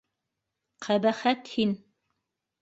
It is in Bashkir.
Ҡәбәхәт һин!